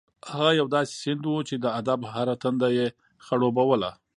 هغه یو داسې سیند و چې د ادب هره تنده یې خړوبوله.